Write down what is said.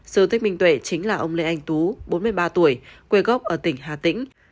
sô tích minh tuệ chính là ông lê anh tú bốn mươi ba tuổi quê gốc ở tỉnh hà tĩnh